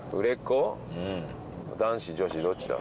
うん男子女子どっちだ？